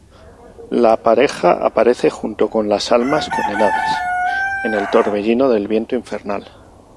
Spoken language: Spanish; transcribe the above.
La pareja aparece, junto con las almas condenadas, en el torbellino del viento infernal.